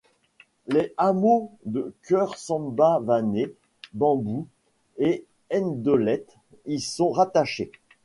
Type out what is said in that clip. Les hameaux de Keur Samba Wané, Bambou et Ndolette y sont rattachés.